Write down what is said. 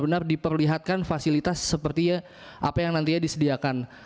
benar diperlihatkan fasilitas seperti apa yang nantinya disediakan